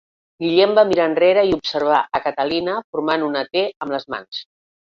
Guillem va mirar enrere i observà a Catalina formant una T amb les mans.